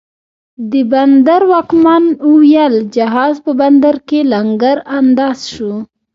د بندر واکمن اوویل، جهاز په بندر کې لنګر انداز سو